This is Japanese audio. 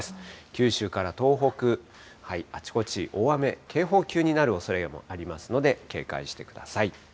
九州から東北、あちこち大雨、警報級になるおそれもありますので、警戒してください。